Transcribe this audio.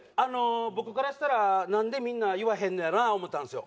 僕からしたらなんでみんな言わへんのやろな思うたんですよ。